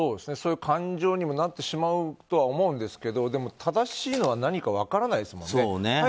そういう感情にもなってしまうとは思うんですけどでも、正しいのは何か分からないですもんね。